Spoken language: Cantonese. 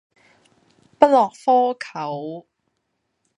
不落窠臼